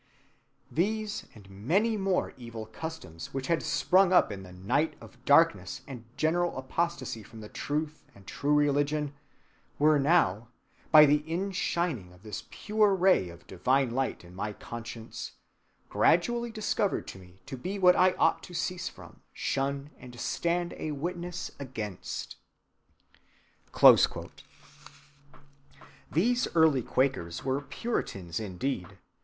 "These and many more evil customs which had sprung up in the night of darkness and general apostasy from the truth and true religion were now, by the inshining of this pure ray of divine light in my conscience, gradually discovered to me to be what I ought to cease from, shun, and stand a witness against."(175) These early Quakers were Puritans indeed.